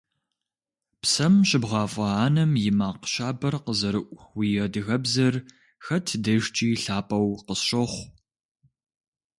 Псэм щыбгъафӀэ анэм и макъ щабэр къызэрыӀу уи адыгэбзэр хэт дежкӀи лъапӀэу къысщохъу.